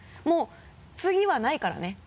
もう次はないからね！